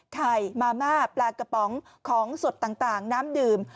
ไข่มาม่าปลากระป๋องของสดต่างน้ำดื่ม